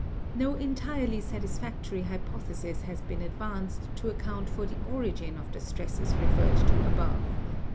No entirely satisfactory hypothesis has been advanced to account for the origin of the stresses referred to above.